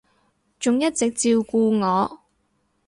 仲一直照顧我